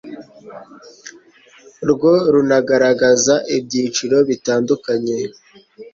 rwo runagaragaza ibyiciro bitandukanye